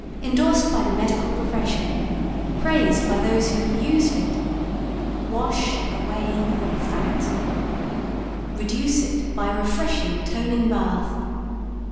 Endorsed by the Medical Profession. Praised by those who have used it. Wash Away Your Fat Reduce it by a refreshing, toning bath.